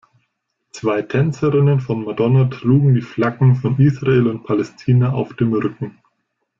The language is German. Zwei Tänzerinnen von Madonna trugen die Flaggen von Israel und Palästina auf dem Rücken.